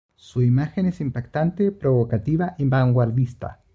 Su imagen es impactante, provocativa y vanguardista.